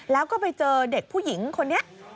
แล้วก็ไปเจอเด็กผู้หญิงคนนี้